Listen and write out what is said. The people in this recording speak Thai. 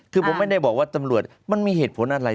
คือผมไม่ได้บอกว่าตำรวจมันมีเหตุผลอะไร